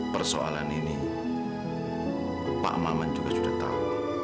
persoalan ini pak maman juga sudah tahu